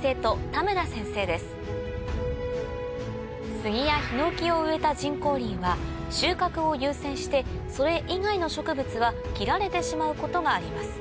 スギやヒノキを植えた人工林は収穫を優先してそれ以外の植物は切られてしまうことがあります